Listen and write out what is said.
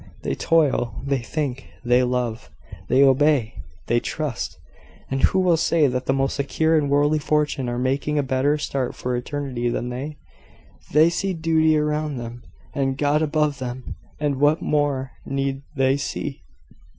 They toil, they think, they love, they obey, they trust; and who will say that the most secure in worldly fortune are making a better start for eternity than they? They see duty around them and God above them; and what more need they see?"